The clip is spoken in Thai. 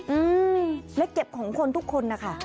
อืมและเก็บของคนทุกคนนะคะ